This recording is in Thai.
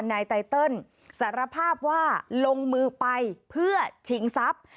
นายไตเติลสารภาพว่าลงมือไปเพื่อชิงทรัพย์